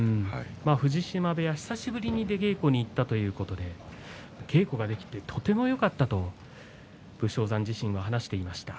藤島部屋、久しぶりに出稽古に行ったということで稽古ができてとても、よかったと武将山自身話していました。